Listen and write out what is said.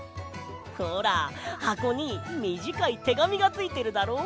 ほらはこにみじかいてがみがついてるだろ？